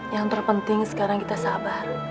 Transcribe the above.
yang terpenting sekarang kita sabar